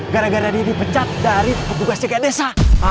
gara gara dia dipecat dari pebukas cekat desa